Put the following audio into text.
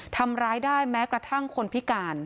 ทำร้ายได้แม้กระทั่งคนพิการ